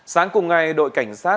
sáng cùng ngày đội cảnh sát